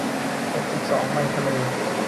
หกสิบสองไมล์ทะเล